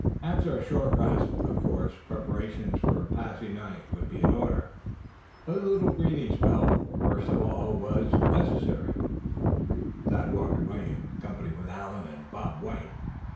After a short rest, of course preparations for passing the night would be in order; but a little breathing spell, first of all, was in order. Thad walked away, in company with Allan and Bob White.